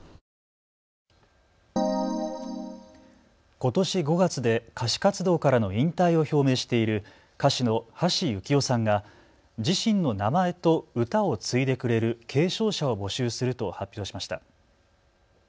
ことし５月で歌手活動からの引退を表明している歌手の橋幸夫さんが自身の名前と歌を継いでくれる継承者を募集すると発表しました。